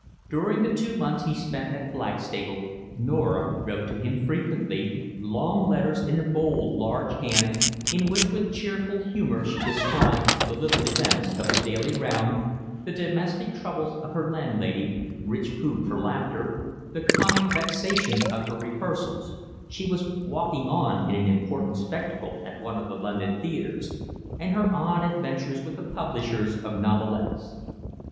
During the two months he spent at Blackstable Norah wrote to him frequently, long letters in a bold, large hand, in which with cheerful humour she described the little events of the daily round, the domestic troubles of her landlady, rich food for laughter, the comic vexations of her rehearsals—she was walking on in an important spectacle at one of the London theatres—and her odd adventures with the publishers of novelettes.